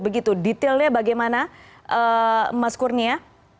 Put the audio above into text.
detailnya bagaimana mas kurnia